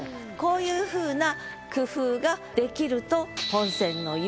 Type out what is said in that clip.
こういうふうな工夫ができるとほんとに。